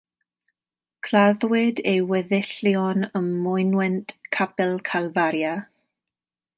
Claddwyd ei weddillion ym mynwent capel Calfaria.